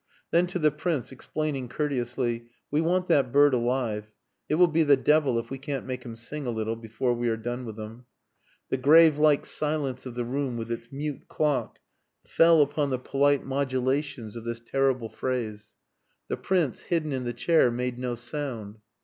Then to the Prince, explaining courteously "We want that bird alive. It will be the devil if we can't make him sing a little before we are done with him." The grave like silence of the room with its mute clock fell upon the polite modulations of this terrible phrase. The Prince, hidden in the chair, made no sound.